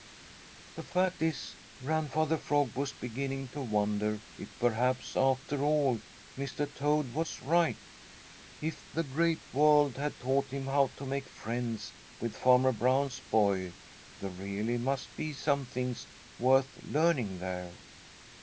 The fact is Grandfather Frog was beginning to wonder if perhaps, after all, Mr. Toad was right. If the Great World had taught him how to make friends with Farmer Brown's boy, there really must be some things worth learning there.